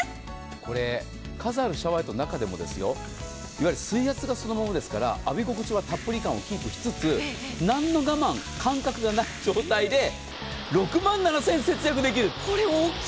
これ数あるシャワーヘッドの中でも水圧は同じで浴び心地はたっぷり感をキープしつつ、何の我慢の感覚もない状態で６万７０００円節約できる。